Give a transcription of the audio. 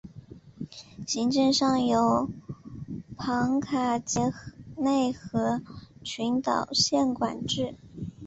行政上由庞卡杰内和群岛县管理。